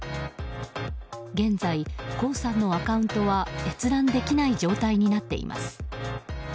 現在、コウさんのアカウントは閲覧できない状態になっています。